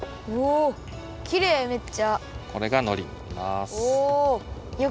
これがのりになります！